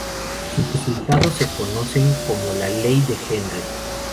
Sus resultados se conocen como la Ley de Henry.